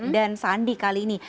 dan sandi kali ini